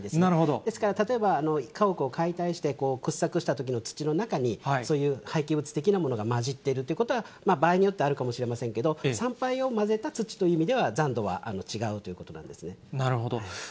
ですから、例えば家屋を解体して、掘削したときの土の中に、そういう廃棄物的なものが交じってるということは、場合によってあるかもしれませんけれども、産廃を混ぜた土という意味では、なるほど。